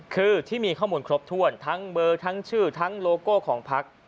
คือที่มีข้อมูลครบถ้วนทั้งเบอร์ทั้งชื่อทั้งโลโก้ของพัก